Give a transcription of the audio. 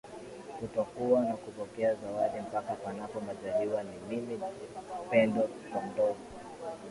kutoa na kupokea zawadi mpaka panapo majaliwa ni mimi pendo pondovi